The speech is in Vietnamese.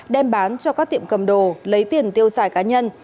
đem bán cho các tiệm cầm đồ lấy tiền tiêu xài cá nhân